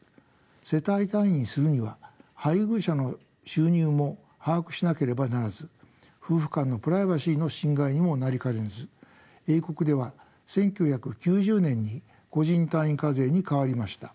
世帯単位にするには配偶者の収入も把握しなければならず夫婦間のプライバシーの侵害にもなりかねず英国では１９９０年に個人単位課税に変わりました。